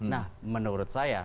nah menurut saya